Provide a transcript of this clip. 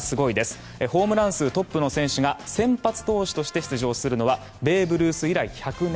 ホームラン数トップの選手が先発投手として出場するのはベーブ・ルース以来１００年